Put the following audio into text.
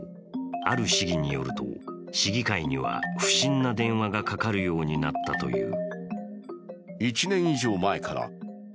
ある市議によると市議会には不審な電話がかかるようになったという。